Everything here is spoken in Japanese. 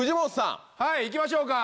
はい行きましょうか。